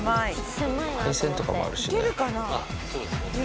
配線とかもあるしね。